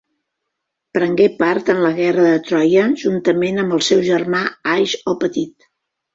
Prengué part en la guerra de Troia juntament amb el seu germà Àiax el Petit.